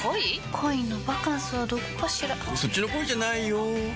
恋のバカンスはどこかしらそっちの恋じゃないよ